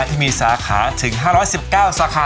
ที่มีสาขาถึง๕๑๙สาขา